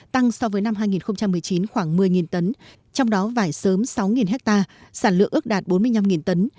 tăng so với năm hai nghìn một mươi chín khoảng một mươi tấn trong đó vải sớm sáu ha sản lượng ước đạt bốn mươi năm tấn